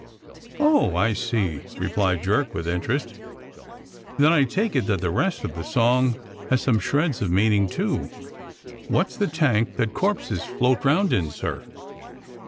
"Oh, I see!" replied Jerk with interest. "Then 1 take it that the rest of the song has some shreds of meaning, too? What's the *tank' that the corpses float round in, sir.